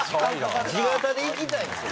地肩でいきたいんですよ